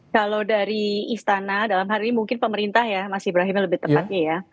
kalau dari istana dalam hari ini mungkin pemerintah ya masih berakhirnya lebih tepatnya ya